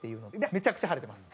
めちゃくちゃ晴れてます。